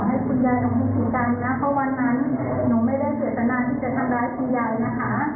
น้องขอให้คุณยายน้องพูดถึงกันนะเพราะวันนั้นน้องไม่ได้เศรษฐนาที่จะทำร้ายคุณยายนะคะ